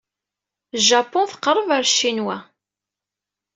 Japun teqreb ɣer Ccinwa.